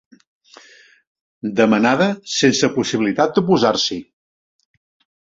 Demanada sense possibilitat d'oposar-s'hi.